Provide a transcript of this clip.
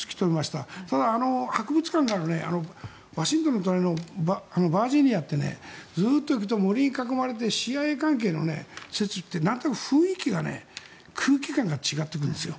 ただ、博物館があるワシントンの隣のバージニアってずっと行くと森に囲まれてＣＩＡ関係の設備ってなんとなく雰囲気が空気感が違ってくるんですよ。